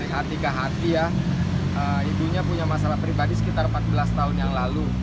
hati ke hati ya ibunya punya masalah pribadi sekitar empat belas tahun yang lalu